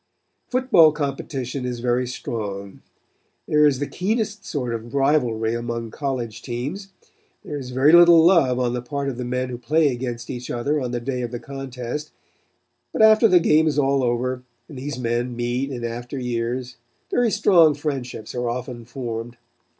Football competition is very strong. There is the keenest sort of rivalry among college teams. There is very little love on the part of the men who play against each other on the day of the contest, but after the game is all over, and these men meet in after years, very strong friendships are often formed.